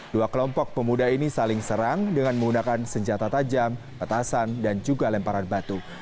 dua kelompok pemuda ini saling serang dengan menggunakan senjata tajam petasan dan juga lemparan batu